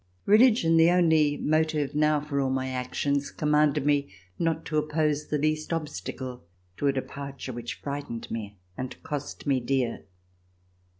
Religion, the only motive now for all my actions, commanded me not to oppose the least obstacle to a departure which frightened me and cost me dear.